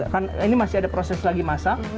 karena ini masih ada proses lagi masak